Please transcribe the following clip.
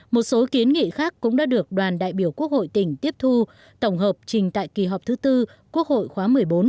một số kiến nghị khác cũng đã được đoàn đại biểu quốc hội tỉnh tiếp thu tổng hợp trình tại kỳ họp thứ tư quốc hội khóa một mươi bốn